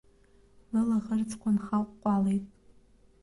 Лылаӷырӡқәа нхаҟәҟәалеит.